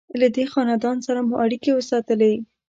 له دې خاندان سره مو اړیکې وساتلې.